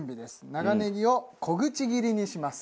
長ネギを小口切りにします。